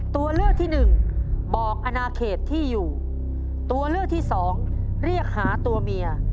ตัวเลือกที่หนึ่งบอกอนาเขตที่อยู่ตัวเลือกที่สองเรียกหาตัวเมีย